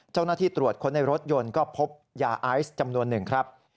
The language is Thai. เจ้าหน้าที่ตรวจค้นในรถยนต์ก็พบยาไอซ์จำนวนหนึ่งครับ